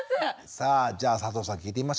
さあじゃあ佐藤さんに聞いてみましょうか。